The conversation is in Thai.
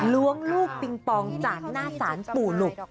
ล้วงลูกปิงปองจากหน้าศาลปู่หลุก